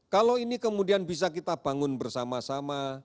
kalau ini kemudian bisa kita bangun bersama sama